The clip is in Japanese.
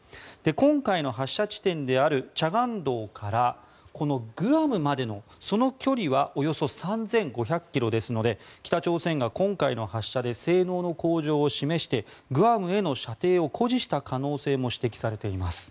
今回の発射地点である慈江道からこのグアムまでの距離はおよそ３５００ｋｍですので北朝鮮が今回の発射で性能の向上を示してグアムへの射程を誇示した可能性も指摘されています。